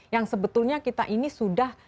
yang sebetulnya kita ini sudah